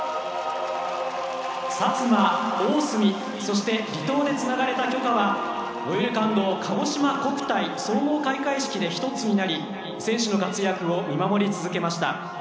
薩摩、大隅、そして離島でつながれた炬火は「燃ゆる感動かごしま国体」総合開会式で１つになり選手の活躍を見守り続けました。